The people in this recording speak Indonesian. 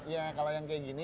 ya kalau yang kayak gini